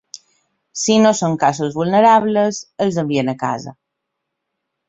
Si no són casos vulnerables, els envien a casa.